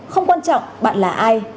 không quan trọng bạn là ai